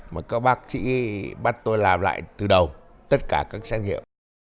mà các bác sĩ bắt tôi làm lại từ đầu tất cả các xét nghiệm